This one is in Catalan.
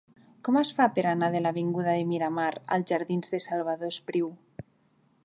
Com es fa per anar de l'avinguda de Miramar als jardins de Salvador Espriu?